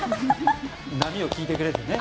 「波よ聞いてくれ」ってね。